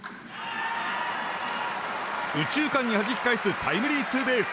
右中間にはじき返すタイムリーツーベース。